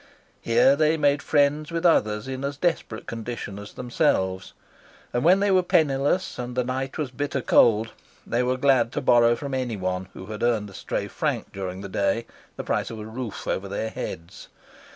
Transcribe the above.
Here they made friends with others in as desperate condition as themselves, and when they were penniless and the night was bitter cold, they were glad to borrow from anyone who had earned a stray franc during the day the price of a roof over their heads.